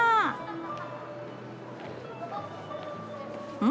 うん？